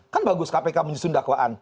kan bagus kpk menyusun dakwaan